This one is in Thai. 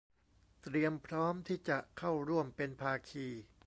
เตรียมพร้อมที่จะเข้าร่วมเป็นภาคี